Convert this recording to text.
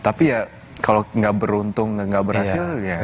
tapi ya kalau nggak beruntung nggak berhasil ya